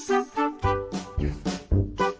ก็บอกให้อยู่นิ่ง